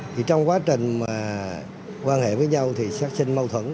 thì trong quá trình mà quan hệ với nhau thì phát sinh mâu thuẫn